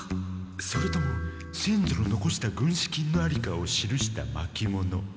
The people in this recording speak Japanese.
それとも先祖ののこした軍資金のありかを記したまきもの。